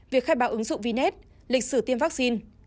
việc khai báo ứng dụng vinet lịch sử tiêm vaccine